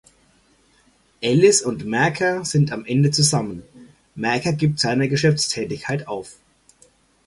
Ellis und Mercer sind am Ende zusammen; Mercer gibt seine Geschäftstätigkeit auf.